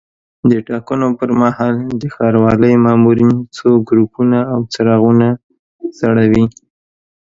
د ټاکنو پر مهال د ښاروالۍ مامورین څو ګروپونه او څراغونه ځړوي.